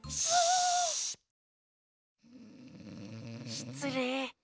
しつれい。